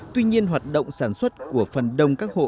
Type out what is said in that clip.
tuy nhiên hoạt động sản xuất của phần đông các hộ